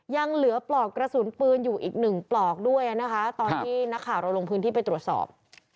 ยังเหลือปลอกกระสุนปืนอยู่อีกหนึ่งปลอกด้วยนะคะตอนที่นักข่าวเราลงพื้นที่ไปตรวจสอบ